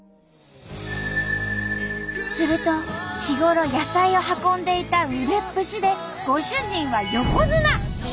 すると日頃野菜を運んでいた腕っぷしでご主人は横綱！